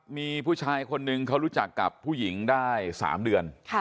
มีผู้ชายคนนึงเขารู้จักกับผู้หญิงได้๓เดือน